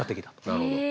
なるほど。